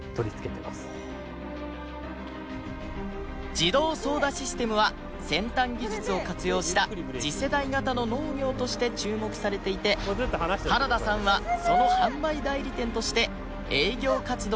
自動操舵システムは先端技術を活用した次世代型の農業として注目されていて原田さんはその販売代理店として営業活動を行っています